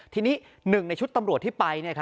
ทีนี้หนึ่งในชุดตำรวจที่ไป